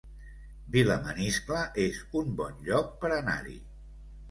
Vilamaniscle es un bon lloc per anar-hi